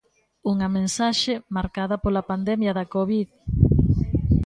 Unha mensaxe marcada pola pandemia da covid.